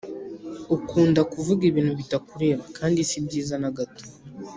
ukunda kuvuga ibintu bitakureba kandi sibyiza nagato